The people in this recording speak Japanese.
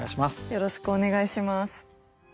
よろしくお願いします。